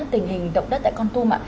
tình hình động đất tại con tum